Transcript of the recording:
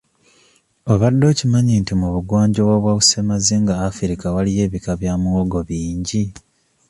Obadde okimanyi nti mu bugwanjuba bwa Ssemazinga Africa waliyo ebika bya muwogo bingi?